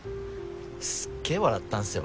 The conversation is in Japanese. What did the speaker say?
すっげ笑ったんすよ。